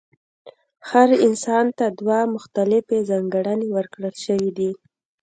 هر انسان ته دوه مختلفې ځانګړنې ورکړل شوې دي.